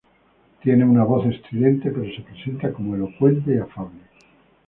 Tiene una voz estridente pero se presenta como elocuente y afable.